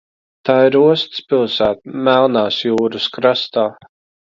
Tā ir ostas pilsēta Melnās jūras krastā.